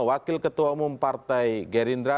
wakil ketua umum partai gerindra